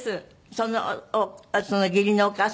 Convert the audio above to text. その義理のお母様